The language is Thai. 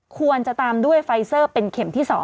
ควรจะตามด้วยไฟเซอร์เป็นเข็มที่๒